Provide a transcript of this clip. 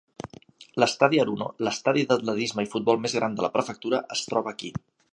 L'estadi Haruno, l'estadi d'atletisme i futbol més gran de la prefectura, es troba aquí.